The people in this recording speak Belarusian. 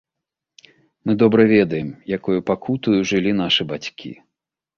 Мы добра ведаем, якою пакутаю жылі нашы бацькі.